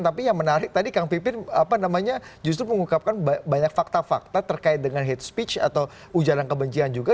tapi yang menarik tadi kang pipin justru mengungkapkan banyak fakta fakta terkait dengan hate speech atau ujaran kebencian juga